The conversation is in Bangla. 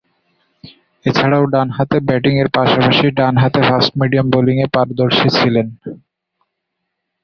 এছাড়াও, ডানহাতে ব্যাটিংয়ের পাশাপাশি ডানহাতে ফাস্ট-মিডিয়াম বোলিংয়ে পারদর্শী ছিলেন।